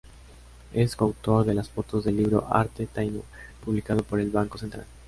Es coautor de las fotos del libro Arte Taíno, publicado por el Banco Central.